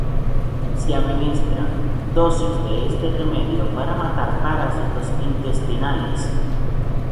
Se administran dosis de este remedio para matar parásitos intestinales.